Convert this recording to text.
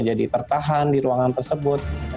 jadi tertahan di ruangan tersebut